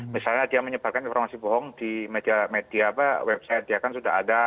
misalnya dia menyebarkan informasi bohong di media website dia kan sudah ada